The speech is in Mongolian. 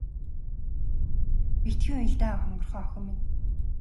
Битгий уйл даа хонгорхон охин минь.